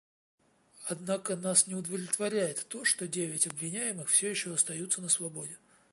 Однако нас не удовлетворяет то, что девять обвиняемых все еще остаются на свободе.